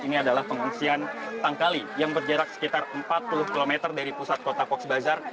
ini adalah pengungsian tangkali yang berjarak sekitar empat puluh km dari pusat kota vox bazar